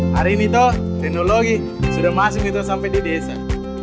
hari ini toh teknologi sudah masuk itu sampai di desa